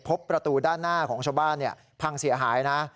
ประตูด้านหน้าของชาวบ้านพังเสียหายนะ